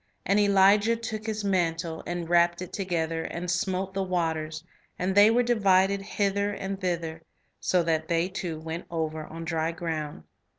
And Elijah took his mantle, and wrapped it together, and smote the waters, and they were divided hither and thither, so that they two went over on dry ground.